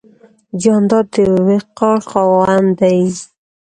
جانداد د وقار خاوند دی.